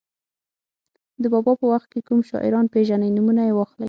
د بابا په وخت کې کوم شاعران پېژنئ نومونه یې واخلئ.